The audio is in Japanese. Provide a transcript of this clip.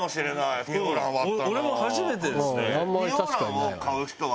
俺も初めてですね。